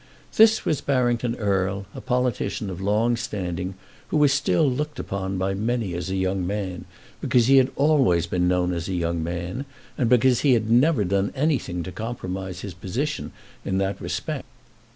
This was Barrington Erle, a politician of long standing, who was still looked upon by many as a young man, because he had always been known as a young man, and because he had never done anything to compromise his position in that respect.